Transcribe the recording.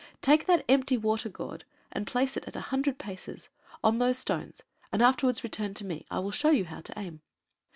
Take that empty water gourd and place it at a hundred paces on those stones, and afterwards return to me; I will show you how to aim."